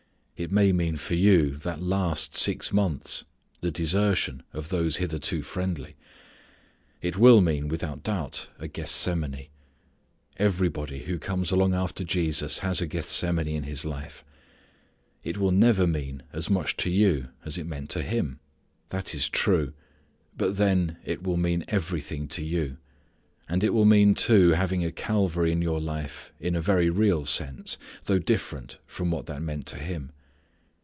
It may mean for you that last six months the desertion of those hitherto friendly. It will mean without doubt a Gethsemane. Everybody who comes along after Jesus has a Gethsemane in his life. It will never mean as much to you as it meant to Him. That is true. But, then, it will mean everything to you. And it will mean too having a Calvary in your life in a very real sense, though different from what that meant to Him.